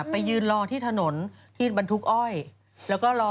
คือเดิมมันเป็น